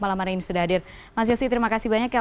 malam hari ini sudah hadir mas yosi terima kasih banyak